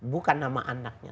bukan nama anaknya